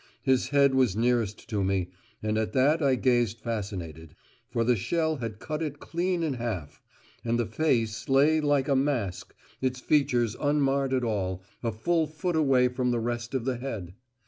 His head was nearest to me, and at that I gazed fascinated; for the shell had cut it clean in half, and the face lay like a mask, its features unmarred at all, a full foot away from the rest of the head.